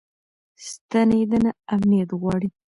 ستنېدنه امنیت غواړي.